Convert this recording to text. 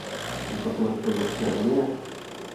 Je to konec Evropské unie?